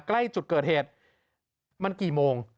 ใกล้จุดเกิดเหตุมันกี่โมง